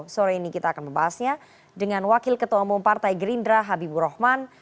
sore ini kita akan membahasnya dengan wakil ketua umum partai gerindra habibur rahman